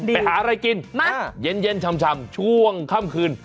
ไปหาอะไรกินเย็นชำช่วงค่ำคืน